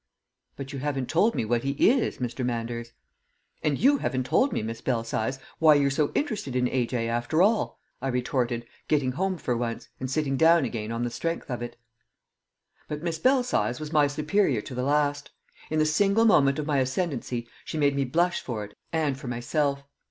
"But you haven't told me what he is, Mr. Manders." "And you haven't told me, Miss Belsize, why you're so interested in A. J. after all!" I retorted, getting home for once, and sitting down again on the strength of it. But Miss Belsize was my superior to the last; in the single moment of my ascendency she made me blush for it and for myself.